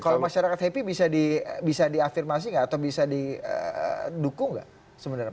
kalau masyarakat happy bisa diafirmasi enggak atau bisa didukung enggak